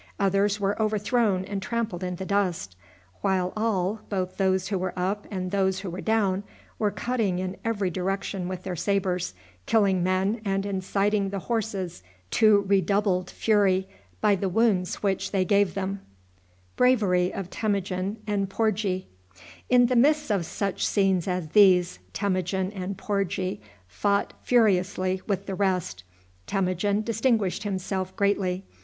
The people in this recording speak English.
Others were overthrown and trampled in the dust; while all, both those who were up and those who were down, were cutting in every direction with their sabres, killing men and inciting the horses to redoubled fury by the wounds which they gave them. In the midst of such scenes as these Temujin and Porgie fought furiously with the rest. Temujin distinguished himself greatly.